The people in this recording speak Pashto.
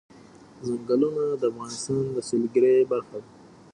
ځنګلونه د افغانستان د سیلګرۍ برخه ده.